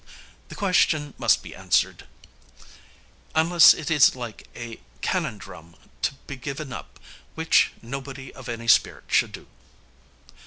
The question must be answered, unless it is like a cannondrum, to be given up, which nobody of any spirit should do."